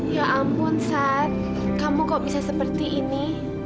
ya ampun sat kamu kok bisa seperti ini